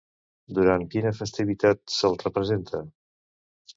Durant quina festivitat se'l representa?